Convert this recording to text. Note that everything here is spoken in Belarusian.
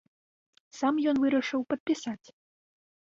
Сам ён вырашыў падпісаць.